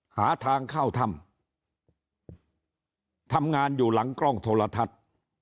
หาทางเข้าถ้ำทำงานอยู่หลังกล้องโทรทัศน์